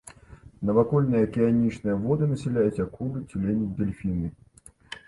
Навакольныя акіянічныя воды насяляюць акулы, цюлені, дэльфіны.